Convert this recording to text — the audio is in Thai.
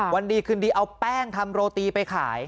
วันดีคืนดีเอาแป้งทำโรตีไปขาย